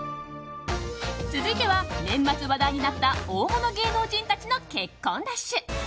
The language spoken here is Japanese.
続いては、年末話題になった大物芸能人たちの結婚ラッシュ。